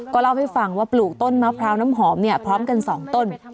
เล่าให้ฟังว่าปลูกต้นมะพร้าวน้ำหอมพร้อมกัน๒ต้น